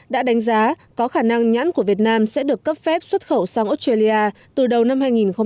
đã đánh giá có khả năng nhãn của việt nam sẽ được cấp phép xuất khẩu sang australia từ đầu năm hai nghìn một mươi chín